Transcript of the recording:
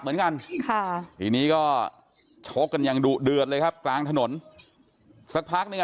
เหมือนกันค่ะทีนี้ก็ชกกันอย่างดุเดือดเลยครับกลางถนนสักพักนึงอ่ะ